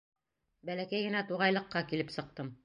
Бәләкәй генә туғайлыҡҡа килеп сыҡтым.